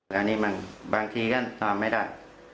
แล้วนี่มันบางทีก็น่าไม่ได้